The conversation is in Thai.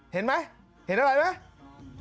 เห็นไหมเห็นอะไรไหม